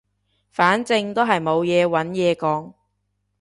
反正都係冇嘢揾嘢講